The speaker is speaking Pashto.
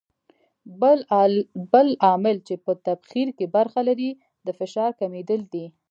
بل عامل چې په تبخیر کې برخه لري د فشار کمېدل دي.